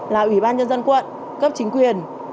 là ủy ban nhân dân quận cấp chính quyền